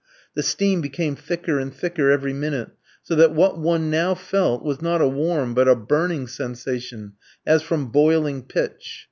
The steam became thicker and thicker every minute, so that what one now felt was not a warm but a burning sensation, as from boiling pitch.